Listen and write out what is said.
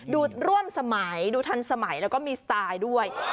ดูร่วมสมัยดูทันสมัยแล้วก็มีสไตล์ด้วย